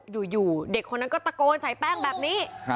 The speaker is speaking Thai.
อยู่เด็กคนนั้นก็ตะโกนใส่แป้งแบบนี้